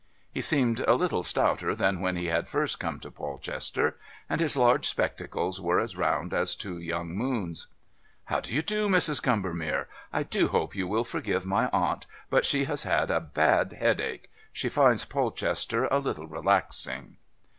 He seemed a little stouter than when he had first come to Polchester, and his large spectacles were as round as two young moons. "How do you do, Mrs. Combernere? I do hope you will forgive my aunt, but she has a bad headache. She finds Polchester a little relaxing."